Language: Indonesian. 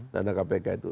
dana kpk itu